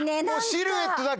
シルエットだけ。